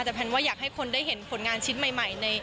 แต่แพนว่าอยากให้คนได้เห็นผลงานชิ้นใหม่